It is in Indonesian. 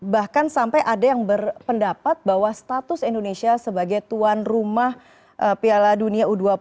bahkan sampai ada yang berpendapat bahwa status indonesia sebagai tuan rumah piala dunia u dua puluh